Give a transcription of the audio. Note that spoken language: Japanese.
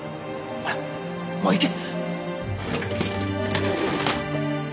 ほらもう行け。